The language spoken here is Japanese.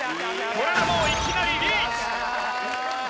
これでもういきなりリーチ！